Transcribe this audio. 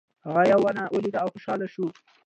هغه یوه ونه ولیده او خوشحاله شو.